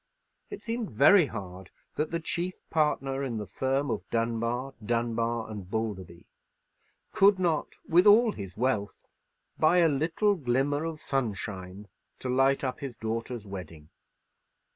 It seemed very hard that the chief partner in the firm of Dunbar, Dunbar, and Balderby could not, with all his wealth, buy a little glimmer of sunshine to light up his daughter's wedding.